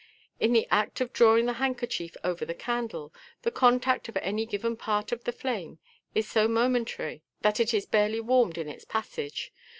In the act of drawing the handkerchief over the candle, the contact of any given part with the flame is so momentary, that it is barely warmed in its passage.